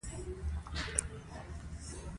د کوم انسان په هکله خبره وکړو چې غوسه وپاروي.